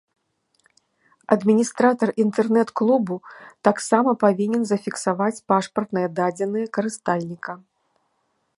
Адміністратар інтэрнэт-клубу таксама павінен зафіксаваць пашпартныя дадзеныя карыстальніка.